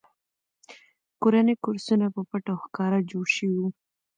کورني کورسونه په پټه او ښکاره جوړ شوي وو